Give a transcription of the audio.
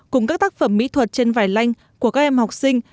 cùng các tác phẩm mỹ thuật trên vải lanh của các em học sinh